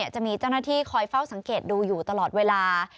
จะมีเจ้าหน้าที่คอยเฝ้าสังเกตดูอยู่ตลอดเวลา